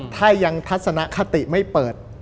ถ้ายังทัศนคติไม่เปิด